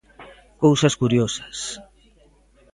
Cousas curiosas.